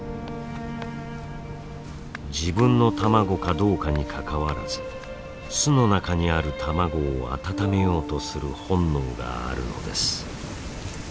自分の卵かどうかにかかわらず巣の中にある卵を温めようとする本能があるのです。